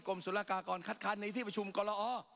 กรมสุรกากรคัดคันในที่ประชุมกลอ